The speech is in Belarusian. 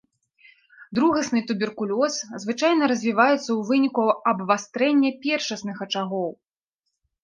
Другасны туберкулёз звычайна развіваецца ў выніку абвастрэння першасных ачагоў.